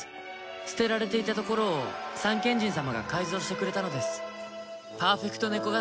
捨てられていたところを三賢人様が改造してくれたのですパーフェクトネコ型